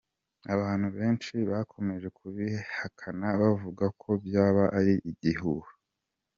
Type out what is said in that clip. Abantu benshi bakomeje kubihakana bavuga ko byaba ari igihuha.